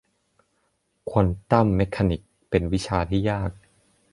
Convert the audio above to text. ควอนตัมเมคานิคส์ เป็นวิชาที่ยาก